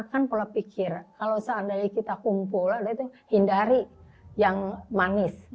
orang orang pola pikir kalau seandainya kita kumpul itu hindari yang manis